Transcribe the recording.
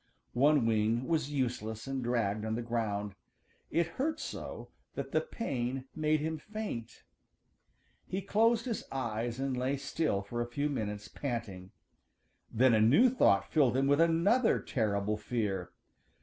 One wing was useless and dragged on the ground. It hurt so that the pain made him faint. He closed his eyes and lay still for a few minutes, panting. Then a new thought filled him with another terrible fear.